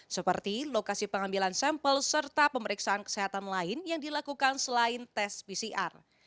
seperti lokasi pengambilan sampel serta pemeriksaan kesehatan lain yang dilakukan selain tes pcr